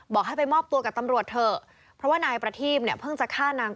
บอกให้ไปมอบตัวกับตำรวจเถอะเพราะว่านายประทีพเนี่ยเพิ่งจะฆ่านาง